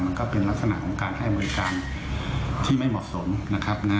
มันก็เป็นลักษณะของการให้บริการที่ไม่เหมาะสมนะครับนะ